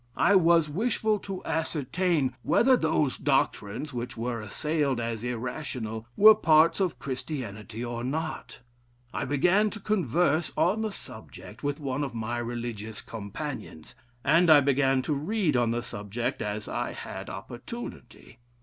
I was wishful to ascertain whether those doctrines which were assailed as irrational, were parts of Christianity or not. I began to converse on the subject with one of my religious companions, and I began to read on the subject as I had opportunity.